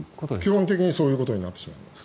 基本的にそういうことになってしまいます。